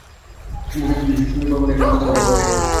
কিন্তু স্বাধীন দেশে সুনীল বর্মণের এখন মাথা গোঁজার কোনো ঠাঁই নেই।